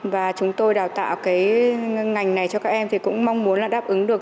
và chúng tôi đào tạo cái ngành này cho các em thì cũng mong muốn là đáp ứng được